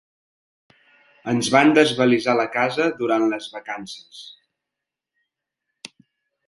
Ens van desvalisar la casa durant les vacances.